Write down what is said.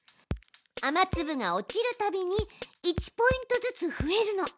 雨つぶが落ちるたびに１ポイントずつ増えるの。